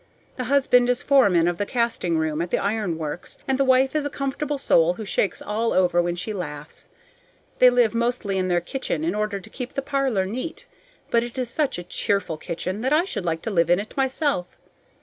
The husband is foreman of the casting room at the iron works, and the wife is a comfortable soul who shakes all over when she laughs. They live mostly in their kitchen in order to keep the parlor neat; but it is such a cheerful kitchen that I should like to live in it myself.